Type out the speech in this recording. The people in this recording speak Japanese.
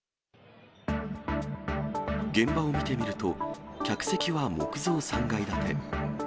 現場を見てみると、客席は木造３階建て。